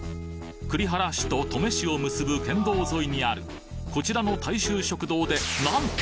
栗原市と登米市を結ぶ県道沿いにあるこちらの大衆食堂でなんと！